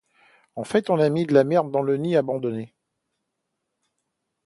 En fait, on a mis de la merde dans un nid abandonné.